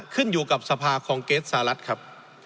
ขึ้นอยู่กับสภาคองเกสสหรัฐครับ